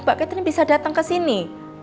mbak catherine bisa datang kesini